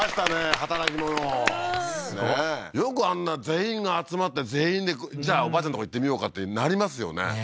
働き者すごいよくあんな全員が集まって全員でじゃあおばあちゃんとこ行ってみようかってなりますよねね